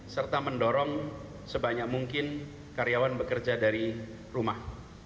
serta mendorong sebanyak mungkin karyawan bekerja dari rumah